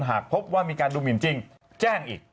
หากพบว่ามีการดูหมินจริงแจ้งอีก